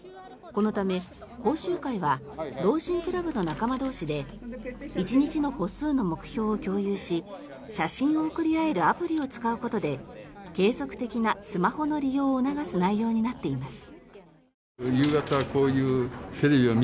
このため、講習会は老人クラブの仲間同士で１日の歩数の目標を共有し写真を送り合えるアプリを使うことで継続的なスマホの利用を促す内容になっています。